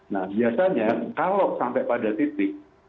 nah biasanya kalau sampai pada titik